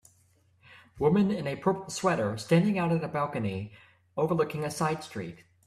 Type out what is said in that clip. Woman in a purple sweater standing out on a balcony overlooking a side street